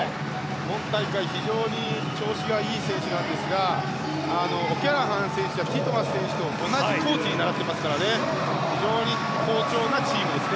今大会、非常に調子がいい選手なんですがオキャラハン選手やティットマス選手と同じコーチに習ってますから非常に好調なチームです。